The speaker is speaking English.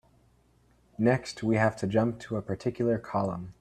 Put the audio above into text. Next, we have to jump to a particular column.